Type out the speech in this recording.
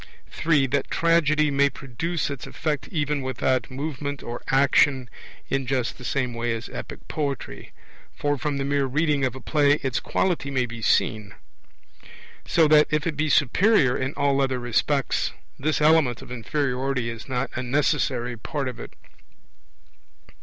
(3) That Tragedy may produce its effect even without movement or action in just the same way as Epic poetry; for from the mere reading of a play its quality may be seen. So that, if it be superior in all other respects, this element of inferiority is not a necessary part of it.